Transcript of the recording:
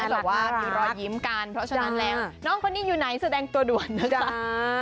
แบบว่ามีรอยยิ้มกันเพราะฉะนั้นแล้วน้องคนนี้อยู่ไหนแสดงตัวด่วนนะจ๊ะ